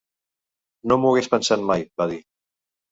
"No m'ho hagués pensat mai", va dir.